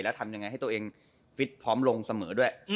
แล้วทำยังไงให้ตัวเองฟิตพร้อมลงเสมอด้วย